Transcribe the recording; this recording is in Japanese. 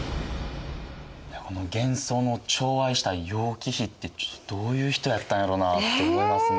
玄宗のちょう愛した楊貴妃ってどういう人やったんやろなって思いますね。